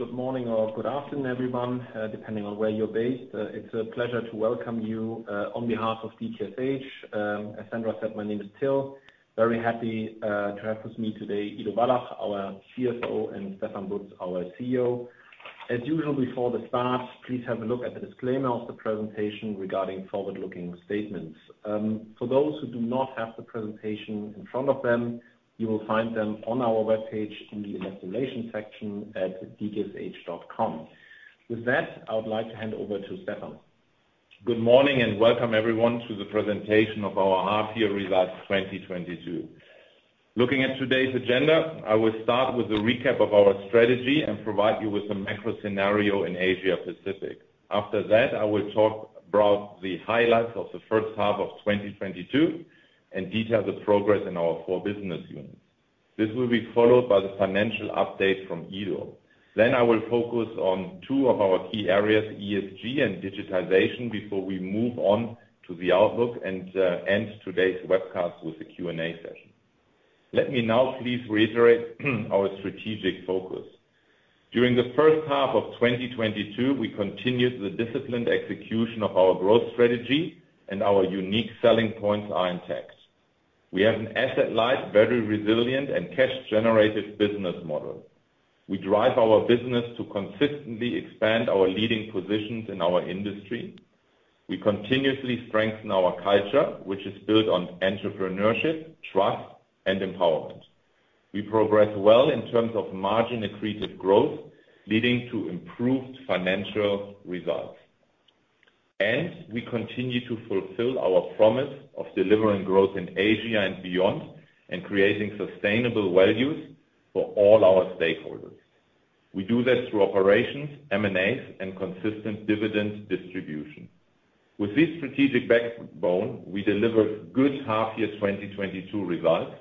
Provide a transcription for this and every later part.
Good morning or good afternoon, everyone, depending on where you're based. It's a pleasure to welcome you on behalf of DKSH. As Sandra said, my name is Till. Very happy to have with me today Ido Wallach, our CFO, and Stefan Bütz, our CEO. As usual, before the start, please have a look at the disclaimer of the presentation regarding forward-looking statements. For those who do not have the presentation in front of them, you will find them on our webpage in the Investor Relations section at dksh.com. With that, I would like to hand over to Stefan. Good morning and welcome everyone to the presentation of our half-year results 2022. Looking at today's agenda, I will start with a recap of our strategy and provide you with some macro scenario in Asia Pacific. After that, I will talk about the highlights of the first half of 2022 and detail the progress in our four business units. This will be followed by the financial update from Ido. Then I will focus on two of our key areas, ESG and digitization, before we move on to the outlook and end today's webcast with the Q&A session. Let me now please reiterate our strategic focus. During the first half of 2022, we continued the disciplined execution of our growth strategy and our unique selling points are intact. We have an asset-light, very resilient, and cash-generative business model. We drive our business to consistently expand our leading positions in our industry. We continuously strengthen our culture, which is built on entrepreneurship, trust, and empowerment. We progress well in terms of margin accretive growth, leading to improved financial results. We continue to fulfill our promise of delivering growth in Asia and beyond, and creating sustainable values for all our stakeholders. We do this through operations, M&As, and consistent dividend distribution. With this strategic backbone, we delivered good half-year 2022 results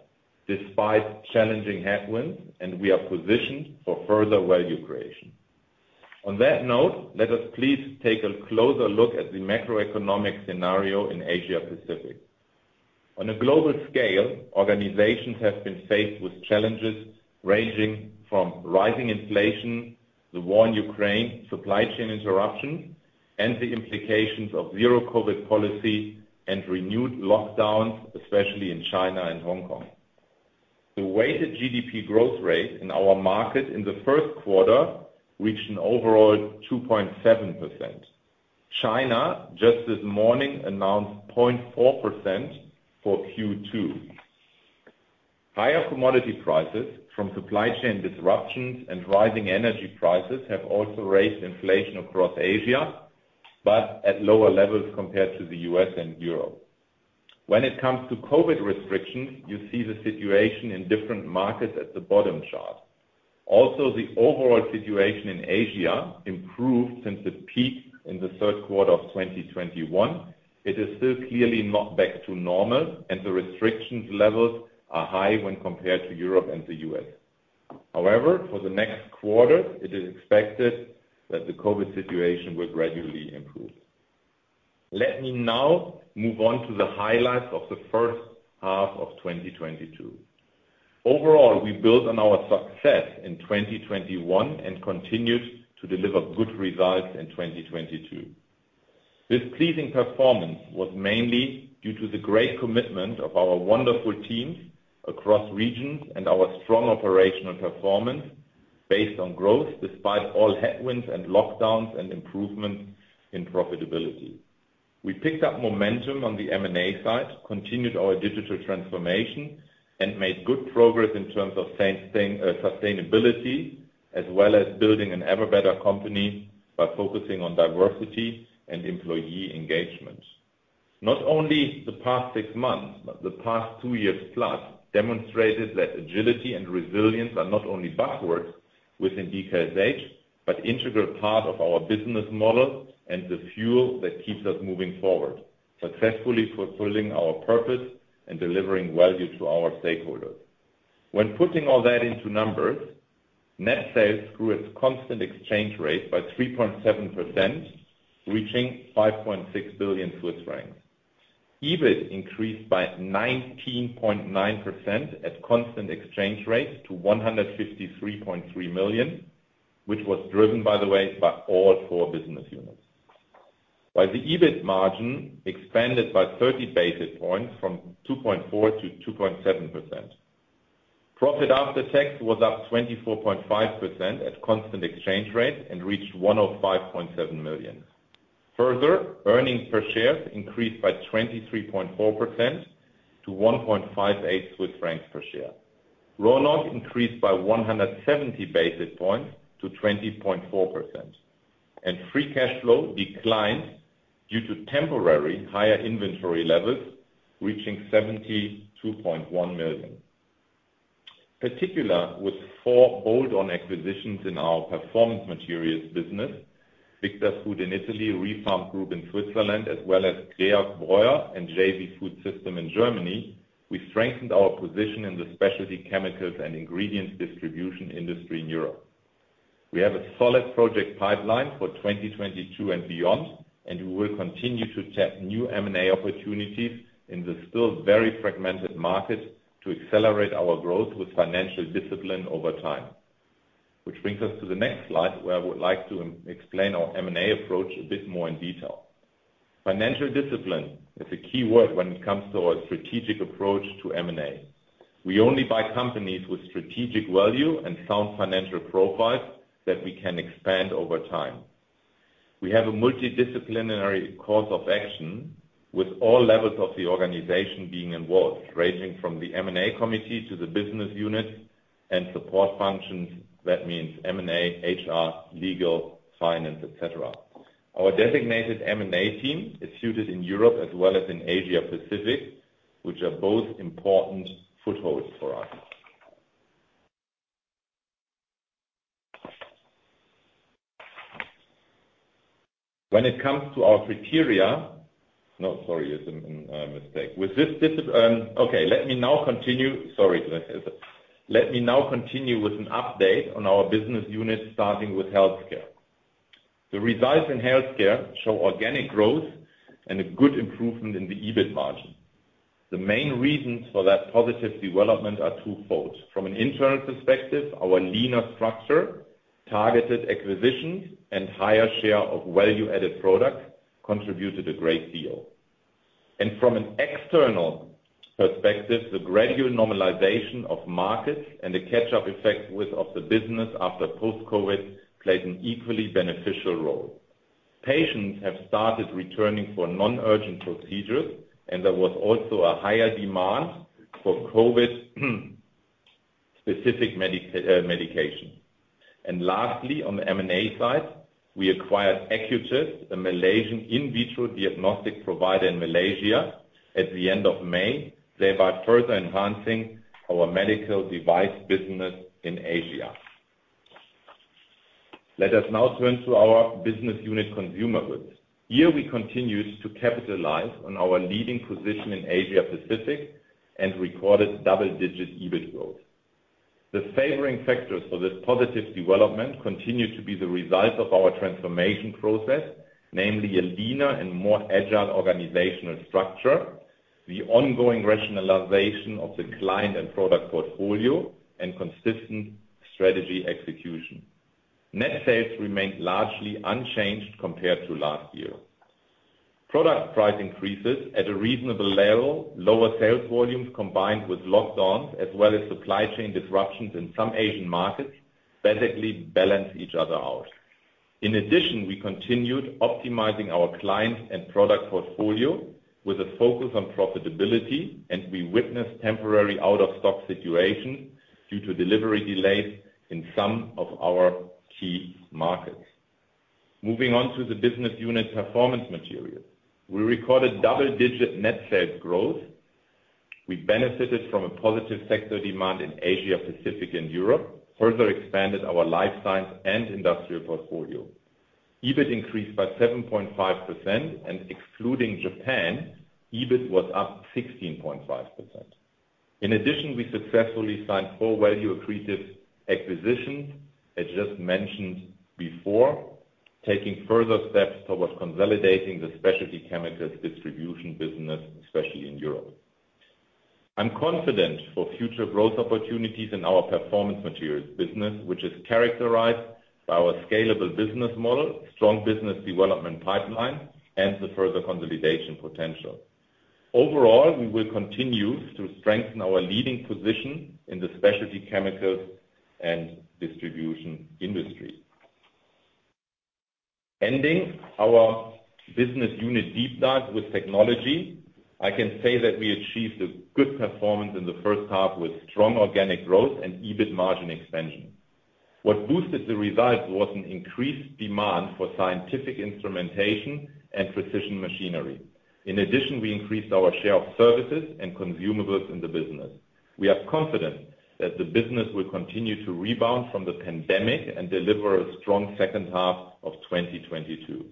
despite challenging headwinds, and we are positioned for further value creation. On that note, let us please take a closer look at the macroeconomic scenario in Asia Pacific. On a global scale, organizations have been faced with challenges ranging from rising inflation, the war in Ukraine, supply chain interruption, and the implications of zero-COVID policy and renewed lockdowns, especially in China and Hong Kong. The weighted GDP growth rate in our market in the first quarter reached an overall 2.7%. China, just this morning, announced 0.4% for Q2. Higher commodity prices from supply chain disruptions and rising energy prices have also raised inflation across Asia, but at lower levels compared to the U.S. and Europe. When it comes to COVID restrictions, you see the situation in different markets at the bottom chart. Also, the overall situation in Asia improved since its peak in the third quarter of 2021. It is still clearly not back to normal, and the restrictions levels are high when compared to Europe and the U.S. However, for the next quarter, it is expected that the COVID situation will gradually improve. Let me now move on to the highlights of the first half of 2022. Overall, we built on our success in 2021 and continued to deliver good results in 2022. This pleasing performance was mainly due to the great commitment of our wonderful teams across regions and our strong operational performance based on growth despite all headwinds and lockdowns and improvements in profitability. We picked up momentum on the M&A side, continued our digital transformation, and made good progress in terms of sustainability, as well as building an ever better company by focusing on diversity and employee engagement. Not only the past six months, but the past two years plus demonstrated that agility and resilience are not only buzzwords within DKSH, but integral part of our business model and the fuel that keeps us moving forward, successfully fulfilling our purpose and delivering value to our stakeholders. When putting all that into numbers, net sales grew at constant exchange rate by 3.7%, reaching 5.6 billion Swiss francs. EBIT increased by 19.9% at constant exchange rates to 153.3 million, which was driven, by the way, by all four business units. While the EBIT margin expanded by 30 basis points from 2.4%-2.7%. Profit after tax was up 24.5% at constant exchange rate and reached 105.7 million. Further, earnings per share increased by 23.4% to 1.58 Swiss francs per share. ROIC increased by 170 basis points to 20.4%, and free cash flow declined due to temporary higher inventory levels, reaching 72.1 million. Particular with four bolt-on acquisitions in our Performance Materials business, Victa Food in Italy, Refarmed Group in Switzerland, as well as Georg Breuer and JB Food System in Germany, we strengthened our position in the specialty chemicals and ingredients distribution industry in Europe. We have a solid project pipeline for 2022 and beyond, and we will continue to seek new M&A opportunities in the still very fragmented market to accelerate our growth with financial discipline over time, which brings us to the next slide, where I would like to explain our M&A approach a bit more in detail. Financial discipline is a key word when it comes to our strategic approach to M&A. We only buy companies with strategic value and sound financial profiles that we can expand over time. We have a multidisciplinary course of action, with all levels of the organization being involved, ranging from the M&A committee to the business unit and support functions. That means M&A, HR, legal, finance, et cetera. Our designated M&A team is suited in Europe as well as in Asia-Pacific, which are both important footholds for us. No, sorry, it's a mistake. Okay, let me now continue with an update on our business unit, starting with Healthcare. The results in Healthcare show organic growth and a good improvement in the EBIT margin. The main reasons for that positive development are twofold. From an internal perspective, our leaner structure, targeted acquisitions, and higher share of value-added products contributed a great deal. From an external perspective, the gradual normalization of markets and the catch-up effect of the business after post-COVID played an equally beneficial role. Patients have started returning for non-urgent procedures, and there was also a higher demand for COVID-specific medication. Lastly, on the M&A side, we acquired Acutest, a Malaysian in-vitro diagnostic provider in Malaysia, at the end of May, thereby further enhancing our medical device business in Asia. Let us now turn to our Business Unit Consumer Goods. Here we continued to capitalize on our leading position in Asia-Pacific and recorded double-digit EBIT growth. The favoring factors for this positive development continued to be the result of our transformation process, namely a leaner and more agile organizational structure, the ongoing rationalization of the client and product portfolio, and consistent strategy execution. Net sales remained largely unchanged compared to last year. Product price increases at a reasonable level, lower sales volumes combined with lockdowns, as well as supply chain disruptions in some Asian markets, basically balance each other out. In addition, we continued optimizing our client and product portfolio with a focus on profitability, and we witnessed temporary out-of-stock situations due to delivery delays in some of our key markets. Moving on to the business unit Performance Materials. We recorded double-digit net sales growth. We benefited from a positive sector demand in Asia-Pacific and Europe, further expanded our life science and industrial portfolio. EBIT increased by 7.5%, and excluding Japan, EBIT was up 16.5%. In addition, we successfully signed four value-accretive acquisitions, as just mentioned before, taking further steps towards consolidating the specialty chemicals distribution business, especially in Europe. I'm confident for future growth opportunities in our Performance Materials business, which is characterized by our scalable business model, strong business development pipeline, and the further consolidation potential. Overall, we will continue to strengthen our leading position in the specialty chemicals and distribution industry. Ending our business unit deep dive with Technology, I can say that we achieved a good performance in the first half with strong organic growth and EBIT margin expansion. What boosted the results was an increased demand for scientific instrumentation and precision machinery. In addition, we increased our share of services and consumables in the business. We are confident that the business will continue to rebound from the pandemic and deliver a strong second half of 2022.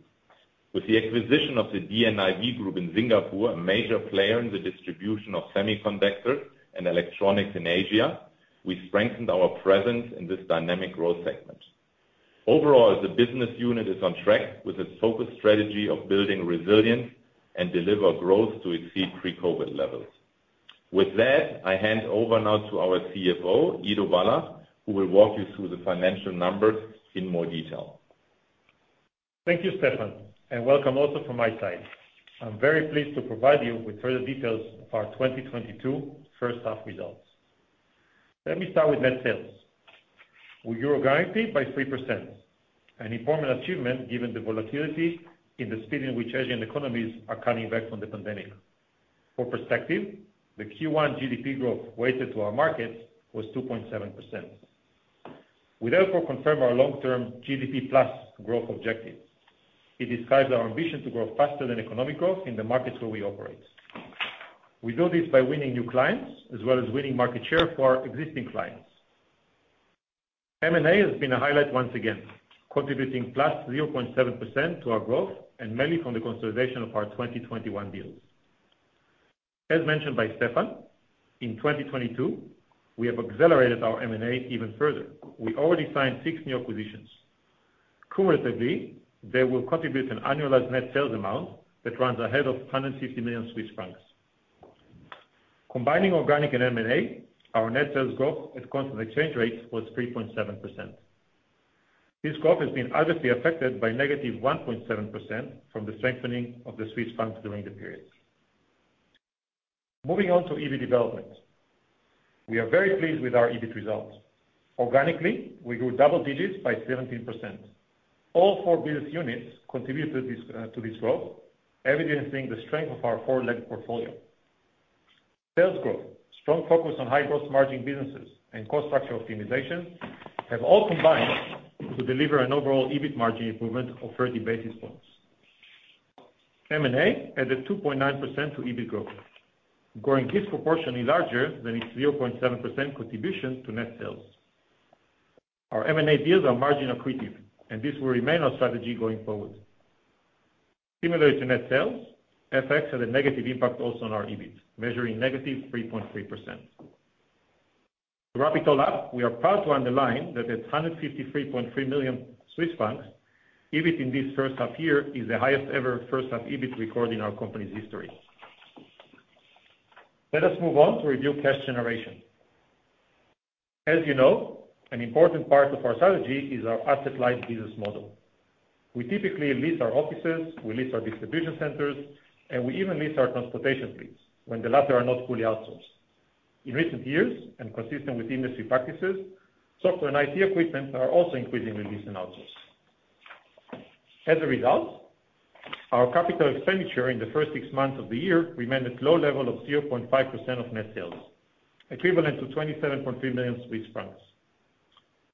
With the acquisition of the DNIV Group in Singapore, a major player in the distribution of semiconductors and electronics in Asia, we strengthened our presence in this dynamic growth segment. Overall, the business unit is on track with its focus strategy of building resilience and deliver growth to exceed pre-COVID levels. With that, I hand over now to our CFO, Ido Wallach, who will walk you through the financial numbers in more detail. Thank you, Stefan, and welcome also from my side. I'm very pleased to provide you with further details of our 2022 first-half results. Let me start with net sales. We grew organically by 3%, an important achievement given the volatility in the speed in which Asian economies are coming back from the pandemic. For perspective, the Q1 GDP growth weighted to our markets was 2.7%. We therefore confirm our long-term GDP plus growth objective. It describes our ambition to grow faster than economic growth in the markets where we operate. We do this by winning new clients as well as winning market share for our existing clients. M&A has been a highlight once again, contributing plus 0.7% to our growth and mainly from the consolidation of our 2021 deals. As mentioned by Stefan, in 2022, we have accelerated our M&A even further. We already signed 6 new acquisitions. Cumulatively, they will contribute an annualized net sales amount that runs ahead of 150 million Swiss francs. Combining organic and M&A, our net sales growth at constant exchange rates was 3.7%. This growth has been adversely affected by -1.7% from the strengthening of the Swiss francs during the period. Moving on to EBIT development. We are very pleased with our EBIT results. Organically, we grew double digits by 17%. All four business units contributed to this growth, evidencing the strength of our four-legged portfolio. Sales growth, strong focus on high gross margin businesses, and cost structure optimization have all combined to deliver an overall EBIT margin improvement of 30 basis points. M&A added 2.9% to EBIT growth, growing disproportionately larger than its 0.7% contribution to net sales. Our M&A deals are margin accretive, and this will remain our strategy going forward. Similar to net sales, FX had a negative impact also on our EBIT, measuring -3.3%. To wrap it all up, we are proud to underline that at 153.3 million Swiss francs, EBIT in this first half year is the highest ever first half EBIT record in our company's history. Let us move on to review cash generation. As you know, an important part of our strategy is our asset-light business model. We typically lease our offices, we lease our distribution centers, and we even lease our transportation fleets when the latter are not fully outsourced. In recent years, and consistent with industry practices, software and IT equipment are also increasingly leased and outsourced. As a result, our capital expenditure in the first six months of the year remained at low level of 0.5% of net sales, equivalent to 27.3 million Swiss francs.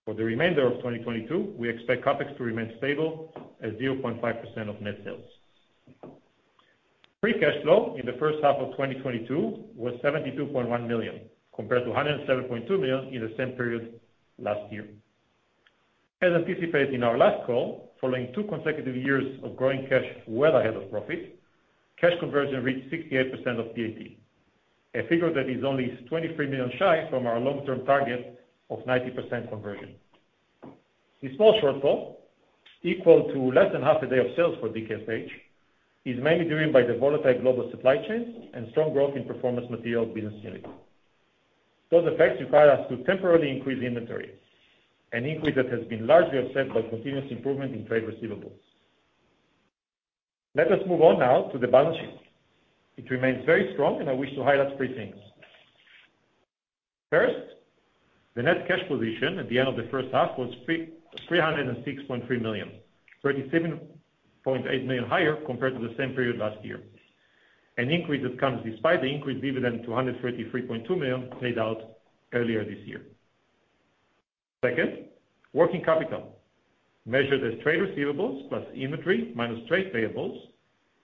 For the remainder of 2022, we expect CapEx to remain stable at 0.5% of net sales. Free cash flow in the first half of 2022 was 72.1 million, compared to 107.2 million in the same period last year. As anticipated in our last call, following two consecutive years of growing cash well ahead of profit, cash conversion reached 68% of PAT. A figure that is only twenty-three million shy from our long-term target of 90% conversion. This small shortfall, equal to less than half a day of sales for DKSH, is mainly driven by the volatile global supply chains and strong growth in Performance Materials business units. Those effects require us to temporarily increase inventory, an increase that has been largely offset by continuous improvement in trade receivables. Let us move on now to the balance sheet. It remains very strong, and I wish to highlight three things. First, the net cash position at the end of the first half was 306.3 million, 37.8 million higher compared to the same period last year. An increase that comes despite the increased dividend of one hundred thirty-three point two million paid out earlier this year. Second, working capital, measured as trade receivables plus inventory minus trade payables,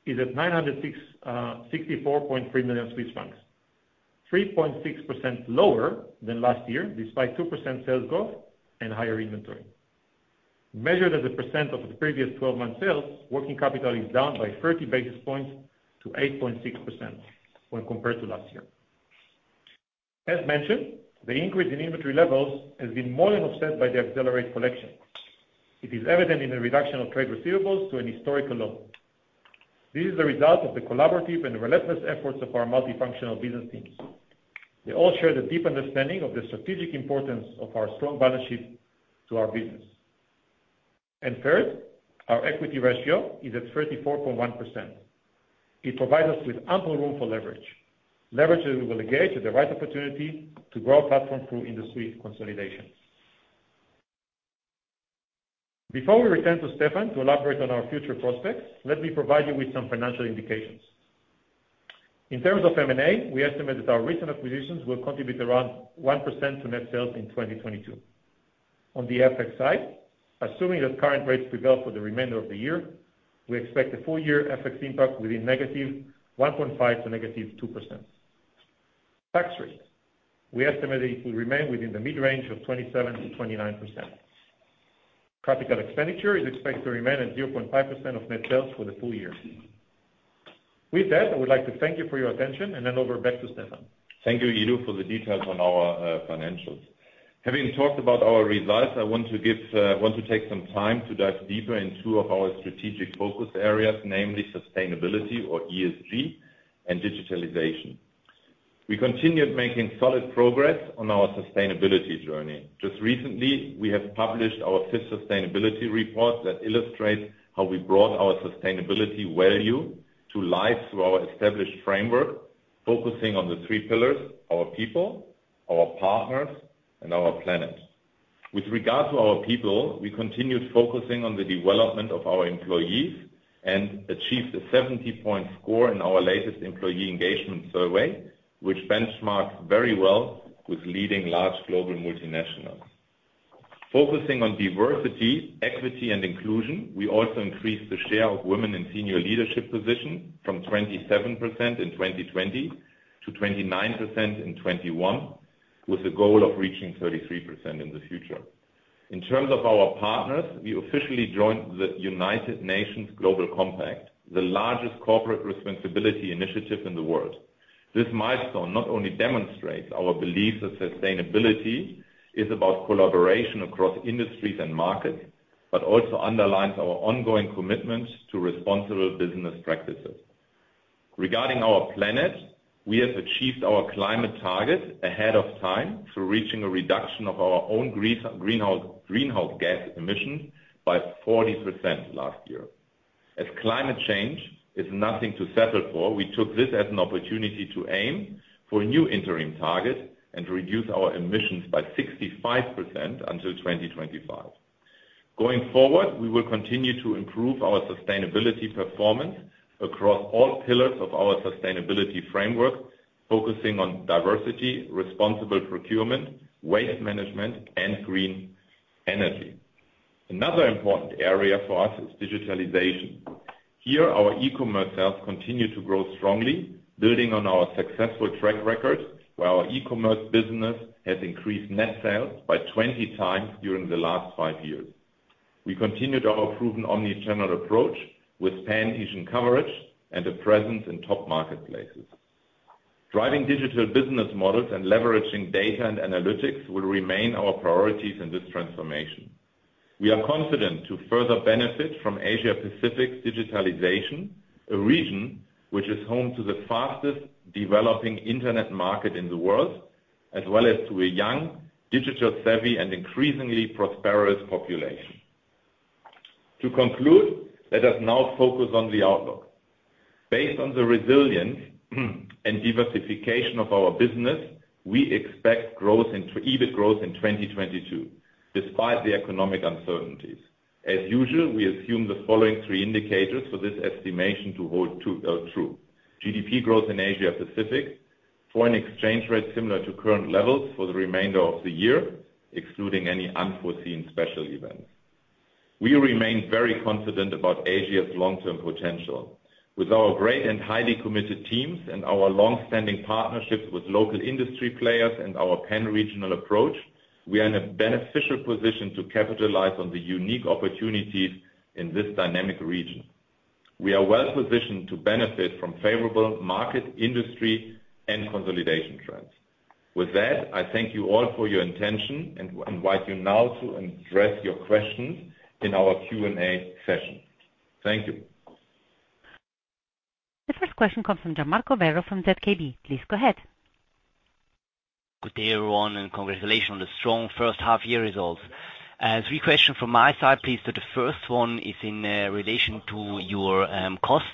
is at 964.3 million Swiss francs. 3.6% lower than last year, despite 2% sales growth and higher inventory. Measured as a percent of the previous twelve-month sales, working capital is down by 30 basis points to 8.6% when compared to last year. As mentioned, the increase in inventory levels has been more than offset by the accelerated collection. It is evident in the reduction of trade receivables to an historical low. This is the result of the collaborative and relentless efforts of our multifunctional business teams. They all share the deep understanding of the strategic importance of our strong balance sheet to our business. Third, our equity ratio is at 34.1%. It provides us with ample room for leverage. Leverage that we will engage at the right opportunity to grow our platform through industry consolidations. Before we return to Stefan to elaborate on our future prospects, let me provide you with some financial indications. In terms of M&A, we estimate that our recent acquisitions will contribute around 1% to net sales in 2022. On the FX side, assuming that current rates prevail for the remainder of the year, we expect the full year FX impact within -1.5% to -2%. Tax rate, we estimate it will remain within the mid-range of 27%-29%. Capital expenditure is expected to remain at 0.5% of net sales for the full year. With that, I would like to thank you for your attention and hand over back to Stefan. Thank you, Ido, for the details on our financials. Having talked about our results, I want to take some time to dive deeper in two of our strategic focus areas, namely sustainability or ESG and digitalization. We continued making solid progress on our sustainability journey. Just recently, we have published our fifth sustainability report that illustrates how we brought our sustainability value to life through our established framework, focusing on the three pillars: our people, our partners, and our planet. With regard to our people, we continued focusing on the development of our employees and achieved a 70-point score in our latest employee engagement survey, which benchmarks very well with leading large global multinationals. Focusing on diversity, equity, and inclusion, we also increased the share of women in senior leadership positions from 27% in 2020 to 29% in 2021, with the goal of reaching 33% in the future. In terms of our partners, we officially joined the United Nations Global Compact, the largest corporate responsibility initiative in the world. This milestone not only demonstrates our belief that sustainability is about collaboration across industries and markets but also underlines our ongoing commitment to responsible business practices. Regarding our planet, we have achieved our climate target ahead of time through reaching a reduction of our own greenhouse gas emissions by 40% last year. As climate change is nothing to settle for, we took this as an opportunity to aim for a new interim target and reduce our emissions by 65% until 2025. Going forward, we will continue to improve our sustainability performance across all pillars of our sustainability framework, focusing on diversity, responsible procurement, waste management, and green energy. Another important area for us is digitalization. Here, our e-commerce sales continue to grow strongly, building on our successful track record, while our e-commerce business has increased net sales by 20 times during the last five years. We continued our proven omni-channel approach with pan-Asian coverage and a presence in top marketplaces. Driving digital business models and leveraging data and analytics will remain our priorities in this transformation. We are confident to further benefit from Asia-Pacific's digitalization, a region which is home to the fastest developing internet market in the world, as well as to a young, digital-savvy, and increasingly prosperous population. To conclude, let us now focus on the outlook. Based on the resilience and diversification of our business, we expect EBIT growth in 2022, despite the economic uncertainties. As usual, we assume the following three indicators for this estimation to hold true. GDP growth in Asia-Pacific, foreign exchange rates similar to current levels for the remainder of the year, excluding any unforeseen special events. We remain very confident about Asia's long-term potential. With our great and highly committed teams and our long-standing partnerships with local industry players and our pan-regional approach, we are in a beneficial position to capitalize on the unique opportunities in this dynamic region. We are well-positioned to benefit from favorable market, industry, and consolidation trends. With that, I thank you all for your attention and invite you now to address your questions in our Q&A session. Thank you. The first question comes from Gian Marco Werro from ZKB. Please go ahead. Good day, everyone, and congratulations on the strong first half-year results. Three questions from my side, please. The first one is in relation to your costs.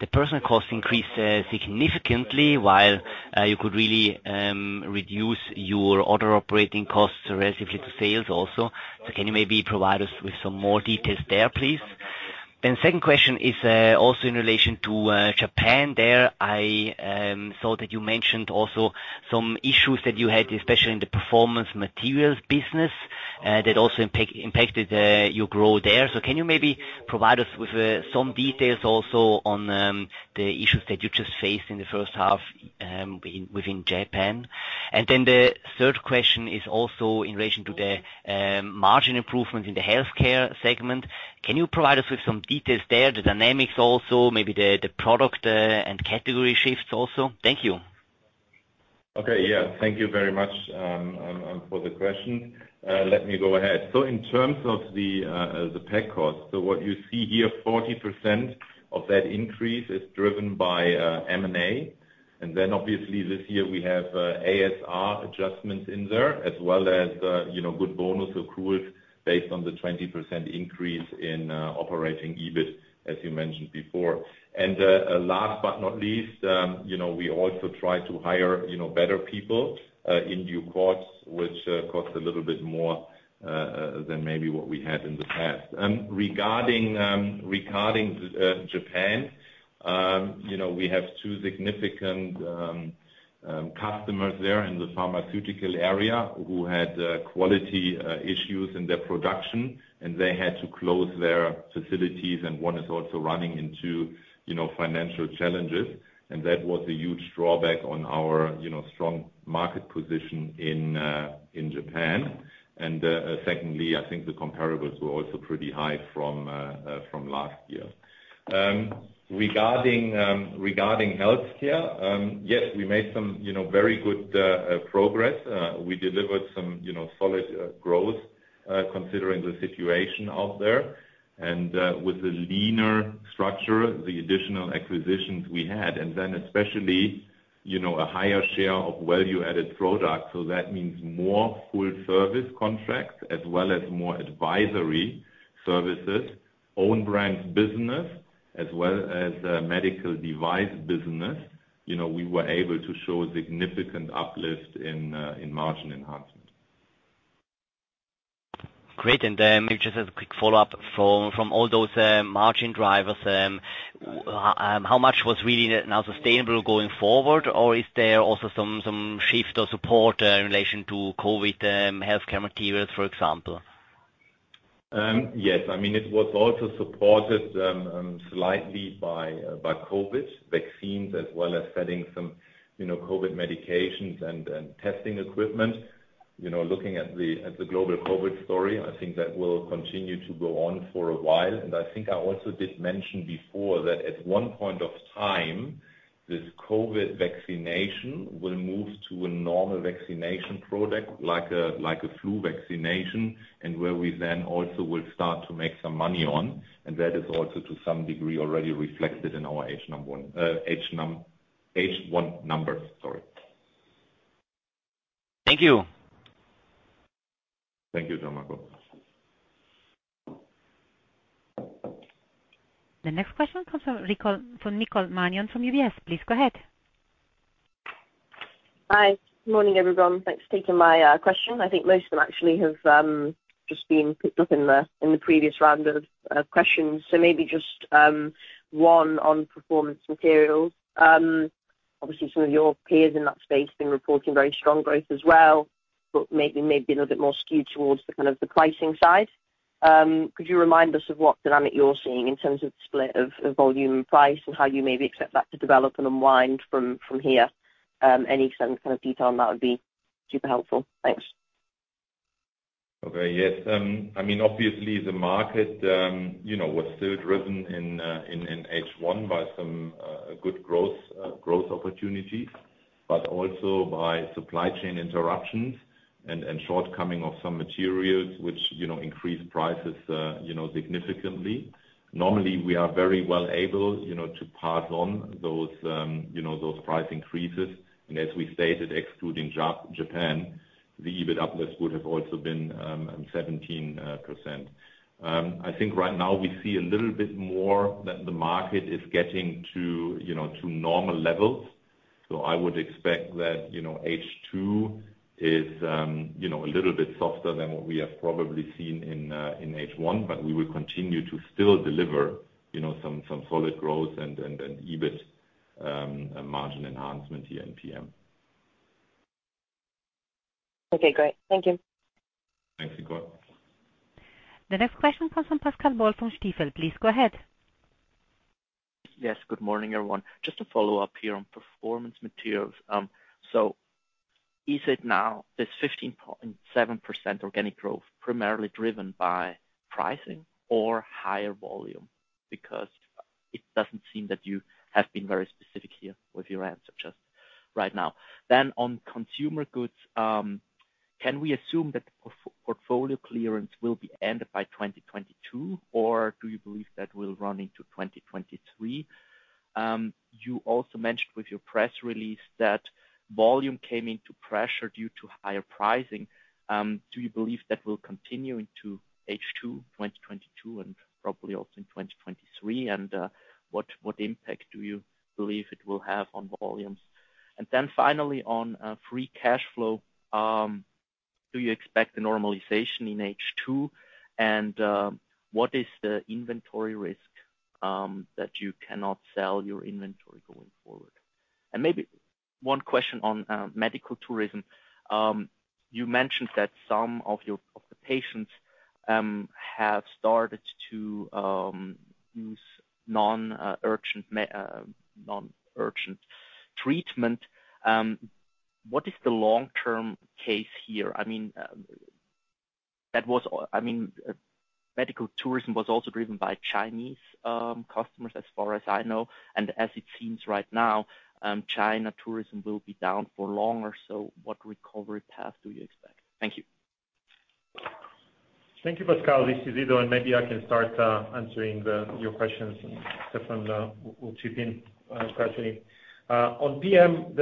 The personnel costs increased significantly while you could really reduce your other operating costs relatively to sales also. Can you maybe provide us with some more details there, please? Second question is also in relation to Japan. There, I saw that you mentioned also some issues that you had, especially in the Performance Materials business, that also impacted your growth there. Can you maybe provide us with some details also on the issues that you just faced in the first half within Japan? The third question is also in relation to the margin improvements in the Healthcare segment. Can you provide us with some details there? The dynamics also, maybe the product, and category shifts also. Thank you. Okay, yeah. Thank you very much for the question. Let me go ahead. In terms of the pack cost, what you see here, 40% of that increase is driven by M&A. Then obviously this year we have ASR adjustments in there as well as you know, good bonus accruals based on the 20% increase in operating EBIT, as you mentioned before. Last but not least, you know, we also try to hire better people in due course, which cost a little bit more than maybe what we had in the past. Regarding Japan, you know, we have two significant customers there in the pharmaceutical area who had quality issues in their production, and they had to close their facilities, and one is also running into, you know, financial challenges. That was a huge drawback on our, you know, strong market position in Japan. Secondly, I think the comparables were also pretty high from last year. Regarding healthcare, yes, we made some, you know, very good progress. We delivered some, you know, solid growth, considering the situation out there and, with a leaner structure, the additional acquisitions we had, and then especially, you know, a higher share of value-added products. That means more full-service contracts as well as more advisory services, own brands business, as well as medical device business. You know, we were able to show significant uplift in margin enhancement. Great. Then maybe just as a quick follow-up from all those margin drivers, how much was really now sustainable going forward? Or is there also some shift or support in relation to COVID, healthcare materials, for example? Yes. I mean, it was also supported slightly by COVID vaccines as well as adding some, you know, COVID medications and testing equipment. You know, looking at the global COVID story, I think that will continue to go on for a while. I think I also did mention before that at one point of time, this COVID vaccination will move to a normal vaccination product like a flu vaccination, and where we then also will start to make some money on, and that is also to some degree already reflected in our H1 numbers. Sorry. Thank you. Thank you, Gian Marco. The next question comes from Nicole Manion from UBS. Please go ahead. Hi. Good morning, everyone. Thanks for taking my question. I think most of them actually have just been picked up in the previous round of questions. Maybe just one on Performance Materials. Obviously, some of your peers in that space been reporting very strong growth as well, but maybe a little bit more skewed towards the kind of the pricing side. Could you remind us of what dynamic you're seeing in terms of split of volume and price and how you maybe expect that to develop and unwind from here? Any certain kind of detail on that would be super helpful. Thanks. Okay. Yes. I mean, obviously the market, you know, was still driven in H1 by some good growth opportunities, but also by supply chain interruptions and shortcoming of some materials which, you know, increased prices, you know, significantly. Normally, we are very well able, you know, to pass on those, you know, those price increases. As we stated, excluding Japan, the EBIT uplift would have also been 17%. I think right now we see a little bit more that the market is getting to, you know, to normal levels. I would expect that, you know, H2 is, you know, a little bit softer than what we have probably seen in H1. We will continue to still deliver, you know, some solid growth and EBIT margin enhancement here in PM. Okay, great. Thank you. Thanks, Nicole. The next question comes from Pascal Boll from Stifel. Please go ahead. Yes, good morning, everyone. Just to follow up here on Performance Materials. So is it now this 15.7% organic growth primarily driven by pricing or higher volume? Because it doesn't seem that you have been very specific here with your answer just right now. On Consumer Goods, can we assume that the portfolio clearance will be ended by 2022, or do you believe that will run into 2023? You also mentioned with your press release that volume came into pressure due to higher pricing. Do you believe that will continue into H2 2022 and probably also in 2023? What impact do you believe it will have on volumes? Finally on free cash flow, do you expect the normalization in H2? What is the inventory risk that you cannot sell your inventory going forward? Maybe one question on medical tourism. You mentioned that some of your patients have started to use non-urgent treatment. What is the long-term case here? I mean, medical tourism was also driven by Chinese customers as far as I know, and as it seems right now, China tourism will be down for longer. What recovery path do you expect? Thank you. Thank you, Pascal. This is Ido, and maybe I can start answering your questions, and Stefan will chip in gradually. On PM,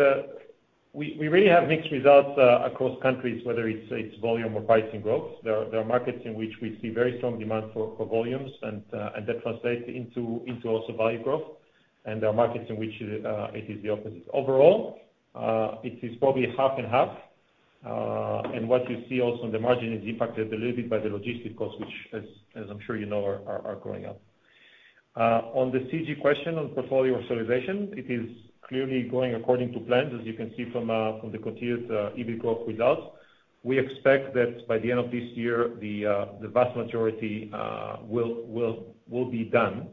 we really have mixed results across countries, whether it's volume or pricing growth. There are markets in which we see very strong demand for volumes and that translates into also value growth and there are markets in which it is the opposite. Overall, it is probably half and half. What you see also in the margin is impacted a little bit by the logistics costs, which as I'm sure you know, are going up. On the CG question on portfolio acceleration, it is clearly going according to plans. As you can see from the continued EBIT growth results. We expect that by the end of this year the vast majority will be done.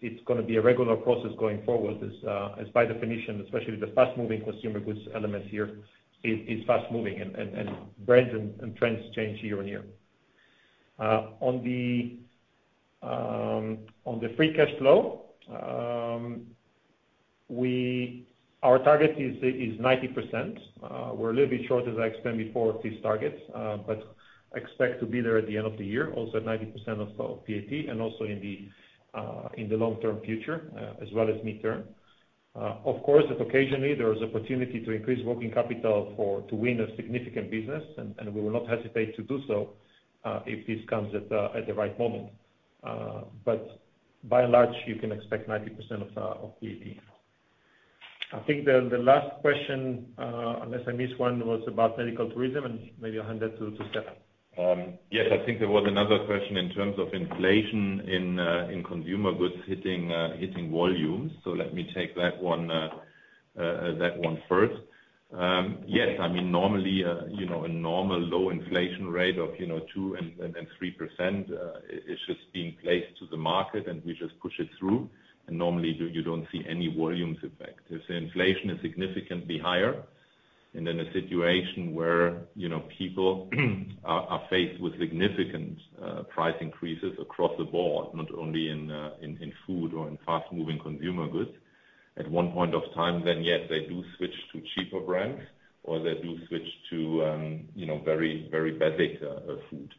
It's gonna be a regular process going forward as by definition, especially the fast-moving consumer goods elements here is fast moving and brands and trends change year on year. On the free cash flow our target is 90%. We're a little bit short, as I explained before, of these targets, but expect to be there at the end of the year, also at 90% of PAT and also in the long-term future as well as midterm. Of course, if occasionally there is opportunity to increase working capital for to win a significant business and we will not hesitate to do so, if this comes at the right moment. But by and large, you can expect 90% of PAT. I think the last question, unless I missed one, was about medical tourism, and maybe I'll hand that to Stefan. Yes, I think there was another question in terms of inflation in consumer goods hitting volumes. Let me take that one first. Yes, I mean, normally, you know, a normal low inflation rate of 2%-3% is just being placed to the market and we just push it through, and normally you don't see any volumes effect. If the inflation is significantly higher. In a situation where, you know, people are faced with significant price increases across the board, not only in food or in fast-moving consumer goods at one point of time, then yes, they do switch to cheaper brands or t,hey do switch to, you know, very, very basic food.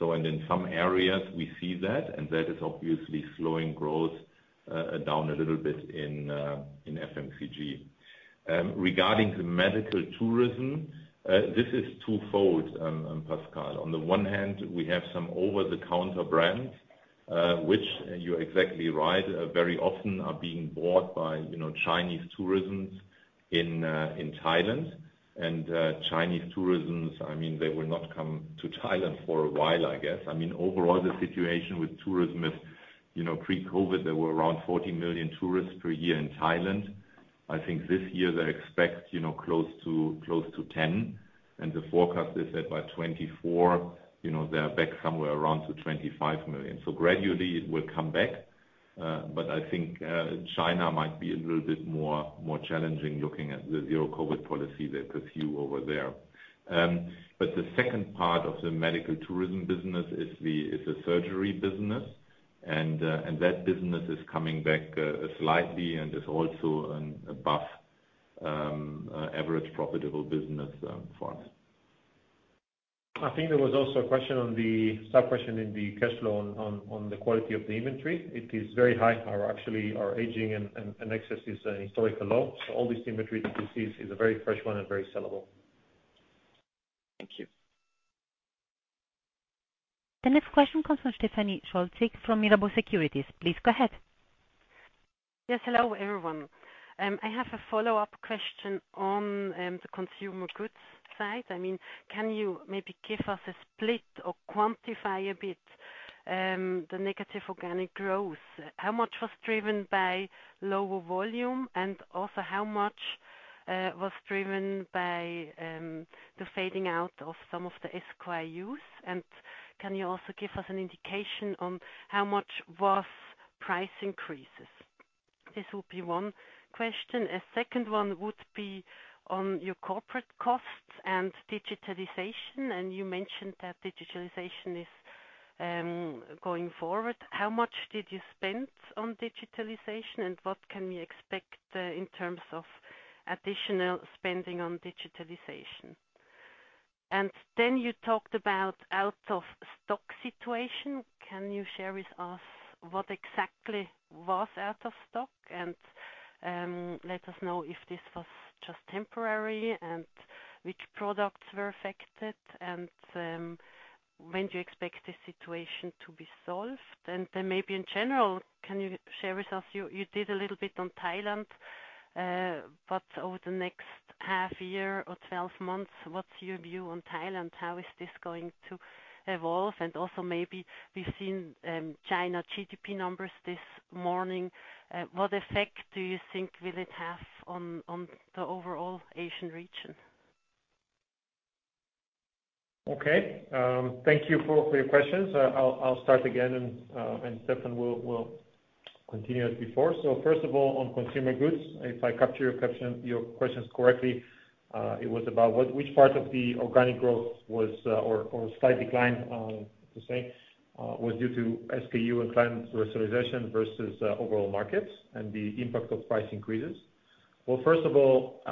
In some areas we see that, and that is obviously slowing growth down a little bit in FMCG. Regarding the medical tourism, this is twofold, Pascal. On the one hand we have some over-the-counter brands, which you're exactly right, very often are being bought by, you know, Chinese tourists in Thailand and Chinese tourists, I mean, they will not come to Thailand for a while, I guess. I mean, overall, the situation with tourism is, you know, pre-COVID there were around 40 million tourists per year in Thailand. I think this year they expect, you know, close to 10 and the forecast is that by 2024, you know, they are back somewhere around to 25 million. Gradually, it will come back. I think China might be a little bit more challenging looking at the zero-COVID policy they pursue over there. The second part of the medical tourism business is the surgery business and that business is coming back slightly and is also an above-average profitable business for us. I think there was also a question on the subquestion in the cash flow on the quality of the inventory. It is very high. Actually, our aging and excess is historically low. All this inventory that you see is a very fresh one and very sellable. Thank you. The next question comes from Stephanie Scholze from Mirabaud Securities. Please go ahead. Yes. Hello, everyone. I have a follow-up question on the Consumer Goods side. I mean, can you maybe give us a split or quantify a bit the negative organic growth? How much was driven by lower volume, and also how much was driven by the fading out of some of the SKUs? Can you also give us an indication on how much was price increases? This will be one question. A second one would be on your corporate costs and digitalization. You mentioned that digitalization is going forward. How much did you spend on digitalization, and what can we expect in terms of additional spending on digitalization? You talked about the out-of-stock situation. Can you share with us what exactly was out of stock and let us know if this was just temporary and which products were affected and when do you expect the situation to be solved? Maybe in general, can you share with us, you did a little bit on Thailand, but over the next half year or 12 months, what's your view on Thailand? How is this going to evolve? Maybe we've seen China GDP numbers this morning. What effect do you think will it have on the overall Asian region? Okay. Thank you for your questions. I'll start again and Stefan will continue as before. First of all, on consumer goods, if I capture your questions correctly, it was about which part of the organic growth was or slight decline to say was due to SKU and client rationalization versus overall markets and the impact of price increases. Well, first of all,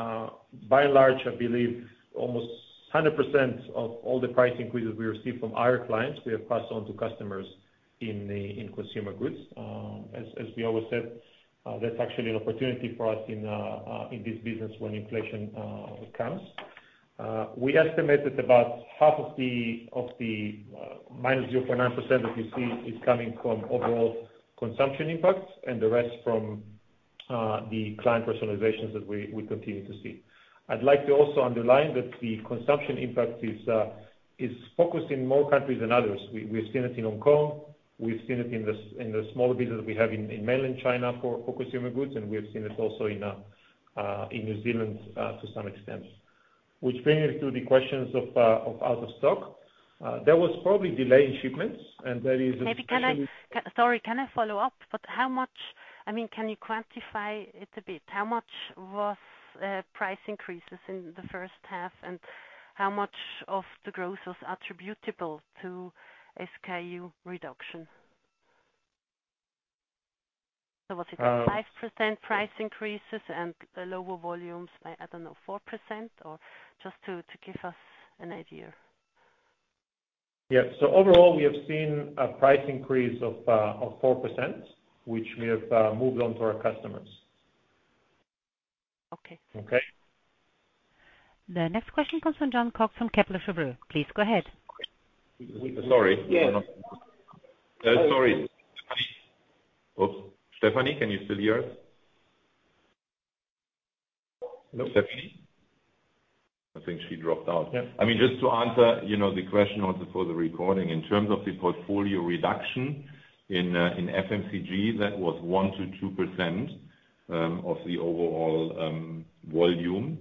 by and large, I believe almost 100% of all the price increases we receive from our clients, we have passed on to customers in consumer goods. As we always said, that's actually an opportunity for us in this business when inflation comes. We estimated about half of the minus 0.9% that you see is coming from overall consumption impacts and the rest from the client personalizations that we continue to see. I'd like to also underline that the consumption impact is focused in more countries than others. We've seen it in Hong Kong. We've seen it in the small business we have in mainland China for consumer goods, and we have seen it also in New Zealand to some extent. Which brings me to the questions of out of stock. There was probably delay in shipments, and there is a Sorry, can I follow up? How much, I mean, can you quantify it a bit? How much was price increases in the first half, and how much of the growth was attributable to SKU reduction? Was it 5% price increases and the lower volumes by, I don't know, 4%, or just to give us an idea?, Yeah. Overall, we have seen a price increase of 4%, which we have moved on to our customers. Okay. Okay. The next question comes from Jon Cox from Kepler Cheuvreux. Please go ahead. Sorry. Yeah. Sorry. Oops. Stephanie, can you still hear us? No. Stephanie? I think she dropped out. Yeah. I mean, just to answer, you know, the question also for the recording, in terms of the portfolio reduction in FMCG, that was 1%-2% of the overall volume.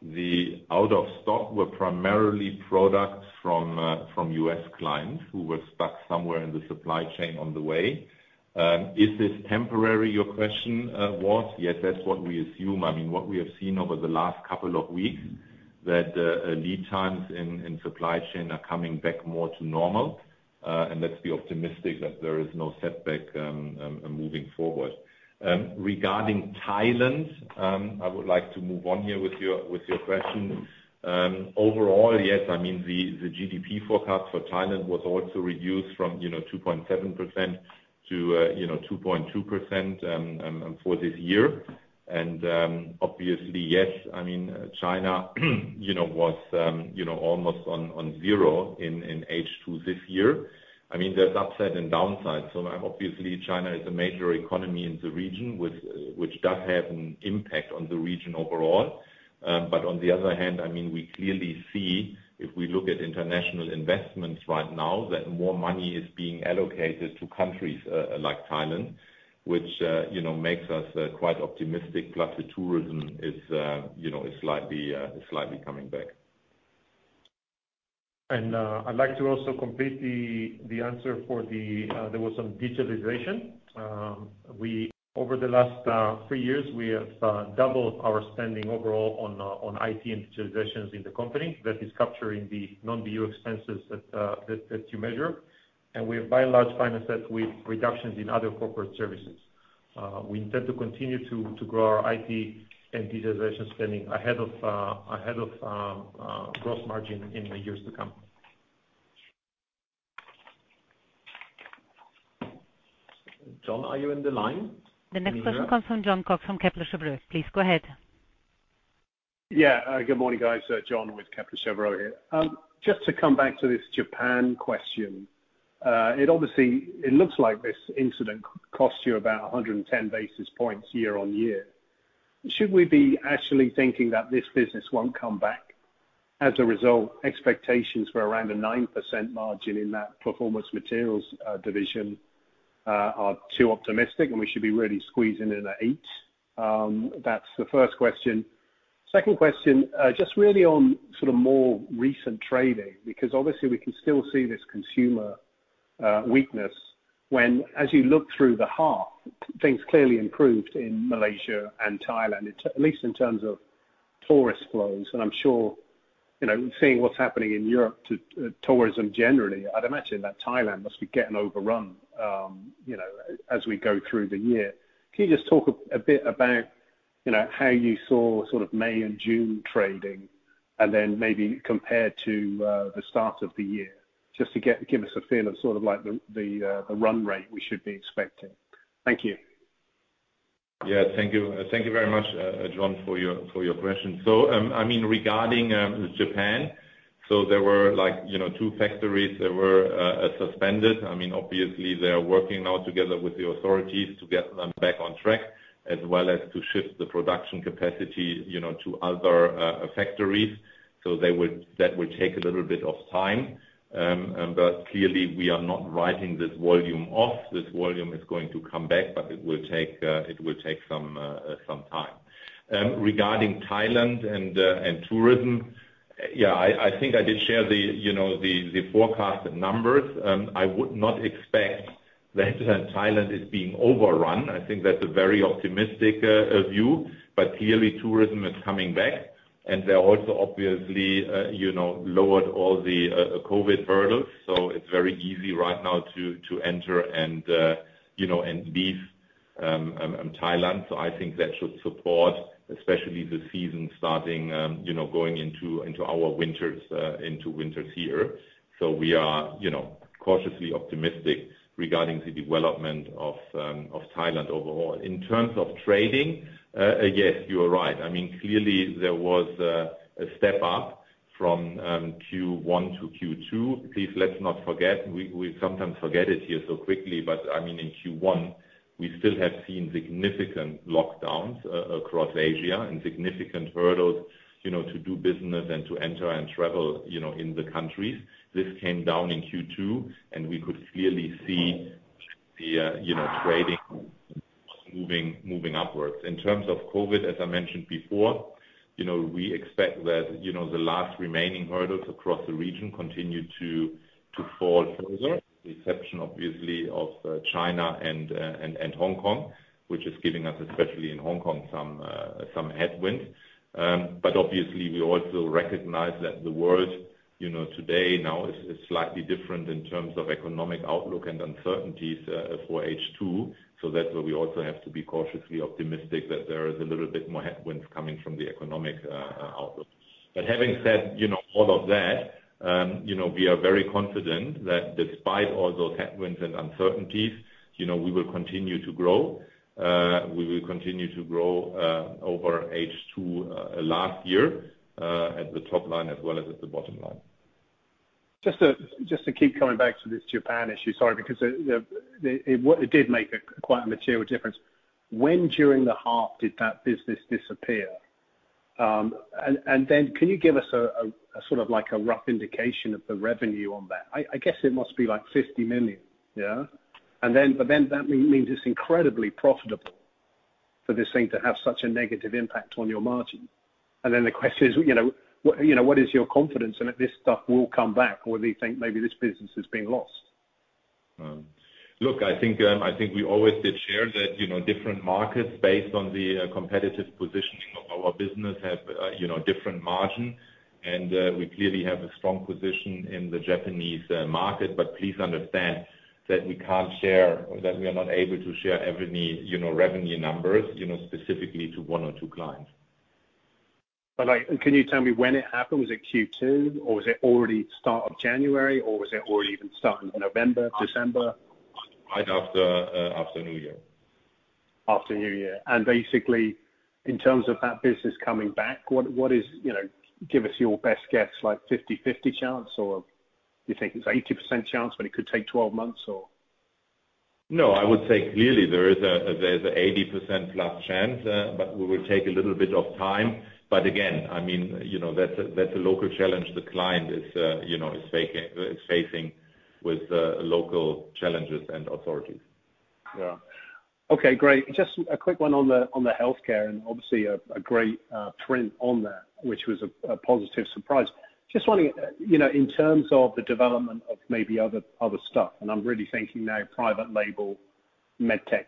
The out of stock were primarily products from U.S. clients who were stuck somewhere in the supply chain on the way. Is this temporary, your question was? Yes, that's what we assume. I mean, what we have seen over the last couple of weeks that lead times and supply chain are coming back more to normal, and let's be optimistic that there is no setback moving forward. Regarding Thailand, I would like to move on here with your question. Overall, yes, I mean, the GDP forecast for Thailand was also reduced from, you know, 2.7% to, you know, 2.2% for this year. Obviously, yes, I mean, China, you know, was almost 0% in H2 this year. I mean, there's upside and downsides. Obviously,, China is a major economy in the region, which does have an impact on the region overall. On the other hand, I mean, we clearly see if we look at international investments right now, that more money is being allocated to countries like Thailand, which you know makes us quite optimistic. Plus the tourism is, you know, slightly coming back. I'd like to also complete the answer for the there was some digitalization. Over the last three years, we have doubled our spending overall on IT and digitalizations in the company that is capturing the non-BU expenses that you measure. We have, by and large, financed that with reductions in other corporate services. We intend to continue to grow our IT and digitalization spending ahead of gross margin in the years to come. Jon, are you on the line? Can you hear us?, The next question comes from Jon Cox from Kepler Cheuvreux. Please go ahead. Yeah. Good morning, guys. Jon with Kepler Cheuvreux here. Just to come back to this Japan question, it obviously looks like this incident cost you about 110 basis points year-over-year. Should we be actually thinking that this business won't come back? As a result, expectations for around a 9% margin in that Performance Materials division are too optimistic, and we should be really squeezing in at 8%. That's the first question. Second question, just really on sort of more recent trading, because obviously we can still see this consumer weakness even as you look through the half, things clearly improved in Malaysia and Thailand, at least in terms of tourist flows. I'm sure, you know, seeing what's happening in Europe to tourism generally, I'd imagine that Thailand must be getting overrun, you know, as we go through the year. Can you just talk a bit about, you know, how you saw sort of May and June trading and then maybe compare to the start of the year? Just to give us a feel of sort of like the run rate we should be expecting. Thank you. Yeah. Thank you. Thank you very much, Jon, for your question. I mean, regarding Japan, there were like, you know, two factories that were suspended. I mean, obviously they are working now together with the authorities to get them back on track, as well as to shift the production capacity, you know, to other factories. That will take a little bit of time. Clearly, we are not writing this volume off. This volume is going to come back, but it will take some time. Regarding Thailand and tourism. Yeah, I think I did share the, you know, the forecasted numbers. I would not expect that Thailand is being overrun. I think that's a very optimistic view. Clearly tourism is coming back. They're also obviously lowered all the COVID hurdles. It's very easy right now to enter and leave Thailand. I think that should support especially the season starting going into our winters, into winters here. We are cautiously optimistic regarding the development of Thailand overall. In terms of trading, yes, you are right. I mean, clearly there was a step up from Q1 to Q2. Please, let's not forget, we sometimes forget it here so quickly, but I mean, in Q1, we still have seen significant lockdowns across Asia and significant hurdles, you know, to do business and to enter and travel, you know, in the countries. This came down in Q2, and we could clearly see the you know trading moving upwards. In terms of COVID, as I mentioned before, you know we expect that you know the last remaining hurdles across the region continue to fall further, with the exception obviously of China and Hong Kong, which is giving us, especially in Hong Kong, some headwinds. Obviously we also recognize that the world you know today now is slightly different in terms of economic outlook and uncertainties for H2. That's where we also have to be cautiously optimistic that there is a little bit more headwinds coming from the economic outlook. Having said, you know, all of that, you know, we are very confident that despite all those headwinds and uncertainties, you know, we will continue to grow over H2 last year at the top line as well as at the bottom line. Just to keep coming back to this Japan issue, sorry, because well, it did make quite a material difference. When during the half did that business disappear? And then can you give us a sort of like a rough indication of the revenue on that? I guess it must be like 50 million. Yeah? That means it's incredibly profitable for this thing to have such a negative impact on your margin. The question is, you know, what is your confidence in that this stuff will come back? Or do you think maybe this business has been lost? Look, I think we always did share that, you know, different markets based on the competitive positioning of our business have, you know, different margin. We clearly have a strong position in the Japanese market. Please understand that we can't share or that we are not able to share every, you know, revenue numbers, you know, specifically to one or two clients. Like, can you tell me when it happened? Was it Q2, or was it already start of January, or was it already even starting November, December? Right after New Year. After New Year. Basically, in terms of that business coming back, what is, you know, give us your best guess, like 50/50 chance, or do you think it's 80% chance but it could take 12 months or? No, I would say clearly there is a 80%+ chance, but we will take a little bit of time. Again, I mean, you know, that's a local challenge the client is, you know, is facing with local challenges and authorities. Yeah. Okay, great. Just a quick one on the healthcare, and obviously a great print on there, which was a positive surprise. Just wondering, you know, in terms of the development of maybe other stuff, and I'm really thinking now private label med tech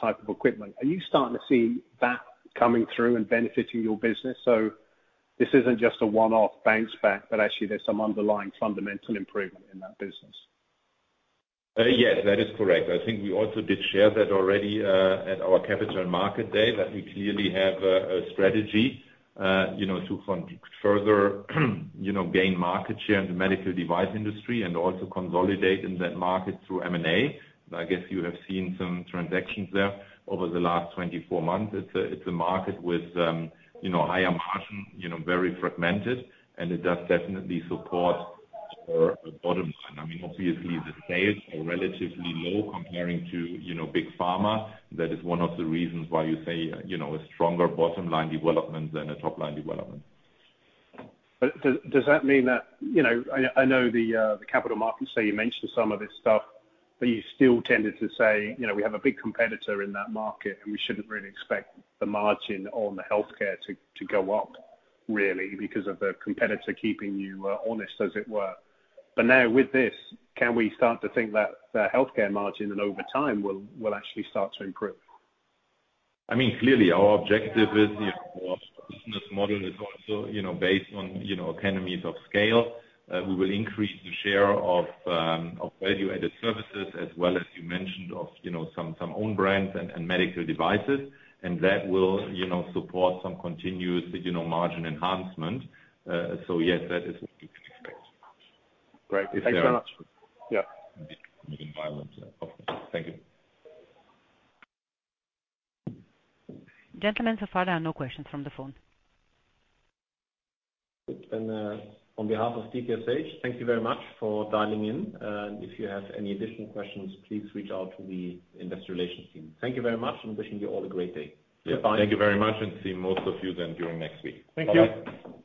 type of equipment. Are you starting to see that coming through and benefiting your business? So this isn't just a one-off bounce back, but actually there's some underlying fundamental improvement in that business. Yes, that is correct. I think we also did share that already at our capital market day, that we clearly have a strategy, you know, to further gain market share in the medical device industry and also consolidate in that market through M&A. I guess you have seen some transactions there over the last 24 months. It's a market with, you know, higher margin, you know, very fragmented, and it does definitely support our bottom line. I mean, obviously the sales are relatively low comparing to, you know, big pharma. That is one of the reasons why you say, you know, a stronger bottom line development than a top-line development. Does that mean that, you know, I know the capital markets, so you mentioned some of this stuff, but you still tended to say, you know, we have a big competitor in that market and we shouldn't really expect the margin on the Healthcare to go up really because of the competitor keeping you honest, as it were. Now with this, can we start to think that the Healthcare margin and over time will actually start to improve? I mean, clearly our objective is, you know, our business model is also, you know, based on, you know, economies of scale. We will increase the share of value-added services as well as you mentioned of, you know, some own brands and medical devices. That will, you know, support some continuous, you know, margin enhancement. Yes, that is what you can expect. Great. Thanks very much. Yeah. Yeah. Environment. Okay. Thank you. Gentlemen, so far there are no questions from the phone. On behalf of DKSH, thank you very much for dialing in. If you have any additional questions, please reach out to the Investor Relations team. Thank you very much. I'm wishing you all a great day. Goodbye. Yeah. Thank you very much and see most of you then during next week. Thank you. Bye-bye.